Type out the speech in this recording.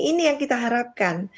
ini yang kita harapkan